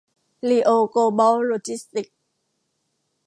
ลีโอ โกลบอล โลจิสติกส์